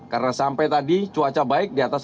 karena sampai tadi cuaca baik di atas